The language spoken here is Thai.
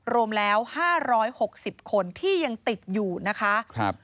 รวมแล้ว๕๖๐คนที่ยังติดอยู่นะคะ